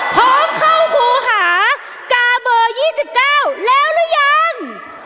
พร้อมเข้าครูหากาเบอร์๒๙แล้วหรือยัง